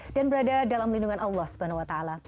dan berada dalam lindungan allah swt